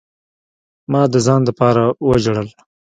ما د ځان د پاره وجړل.